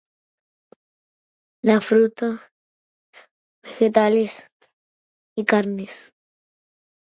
La fruta, vegetales y carnes.